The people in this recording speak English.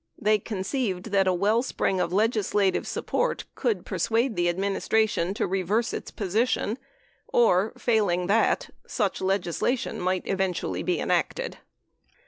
They con ceived that a well spring of legislative support could persuade the administration to reverse its position, or failing that, such legislation might eventually be enacted.